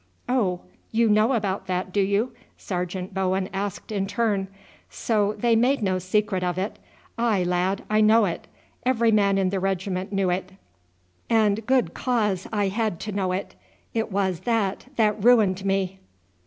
"Oh, you know about that, do you?" Sergeant Bowen asked in turn. "So they made no secret of it. Ay, lad, I know it; every man in the regiment knew it. And good cause I had to know it, it was that that ruined me."